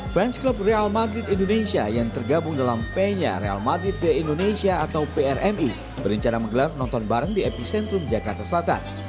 fans klub real maghrib indonesia yang tergabung dalam p nya real madrid ke indonesia atau prmi berencana menggelar nonton bareng di epicentrum jakarta selatan